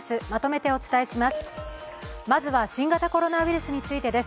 まずは新型コロナウイルスについてです。